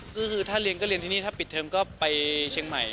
ก็คือถ้าเรียนก็เรียนที่นี่ถ้าปิดเทอมก็ไปเชียงใหม่